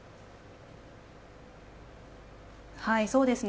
そうですね。